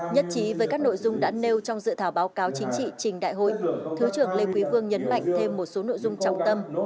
nhất trí với các nội dung đã nêu trong dự thảo báo cáo chính trị trình đại hội thứ trưởng lê quý vương nhấn mạnh thêm một số nội dung trọng tâm